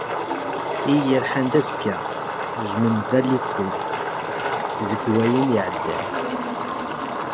Iyi-yerḥan d azekka, "jmenba li kuy" deg wayen iεeddan.